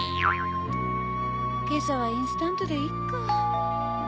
今朝はインスタントでいっか。